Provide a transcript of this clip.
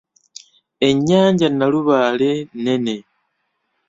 Ennyanja Nalubaale nnene.